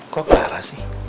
kok clara sih